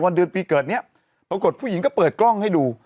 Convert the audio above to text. เดือนปีเกิดเนี่ยปรากฏผู้หญิงก็เปิดกล้องให้ดู